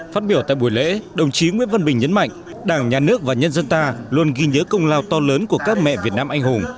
phát biểu tại buổi lễ đồng chí nguyễn văn bình nhấn mạnh đảng nhà nước và nhân dân ta luôn ghi nhớ công lao to lớn của các mẹ việt nam anh hùng